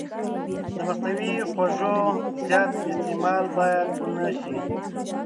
د مصنوعي خوږو زیات استعمال باید ونه شي.